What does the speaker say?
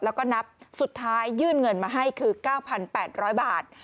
แล้วก็นับสุดท้ายยื่นเงินมาให้คือ๙๘๐๐บาท